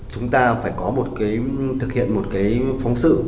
chúng ta phải thực hiện một phóng sự